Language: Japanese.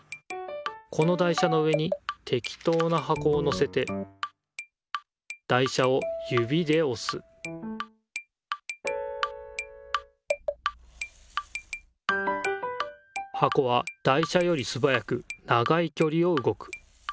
この台車の上にてきとうなはこをのせて台車をゆびでおすはこは台車よりすばやく長いきょりをうごく。